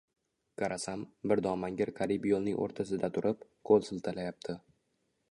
Qarasam, bir domangir qariyb yo‘lning o‘rtasida turib, qo‘l siltayapti.